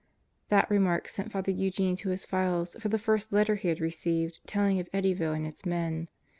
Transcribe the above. That remark sent Father Eugene to his files for the first letter he had received telling of Eddyvflle and its men.